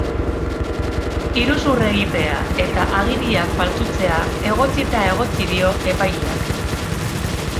Iruzur egitea eta agiriak faltsutzea egotzita egotzi dio epaileak.